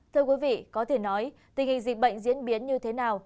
thưa quý vị có thể nói tình hình dịch bệnh diễn biến như thế nào